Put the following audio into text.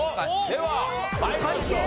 では参りましょう。